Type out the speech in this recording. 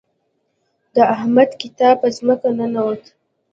د احمد کتاب په ځمکه ننوت.